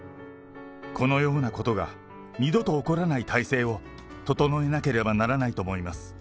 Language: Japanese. このようなことが二度と起こらない体制を、整えなければならないと思います。